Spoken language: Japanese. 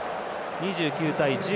２９対１０。